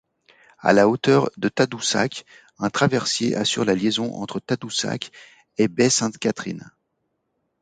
À la hauteur de Tadoussac, un traversier assure la liaison entre Tadoussac et Baie-Sainte-Catherine.